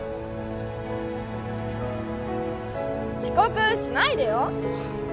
遅刻しないでよ。